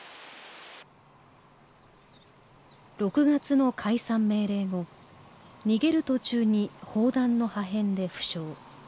６月の解散命令後逃げる途中に砲弾の破片で負傷。